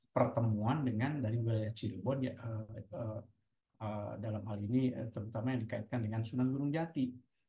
pertemuan dengan dari wilayah cirebon dalam hal ini terutama yang dikaitkan dengan sunan gunung jati